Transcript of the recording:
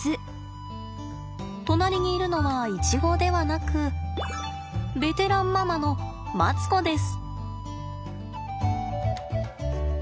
隣にいるのはイチゴではなくベテランママのマツコです。